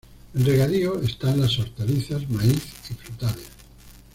En regadío están las hortalizas, maíz y frutales.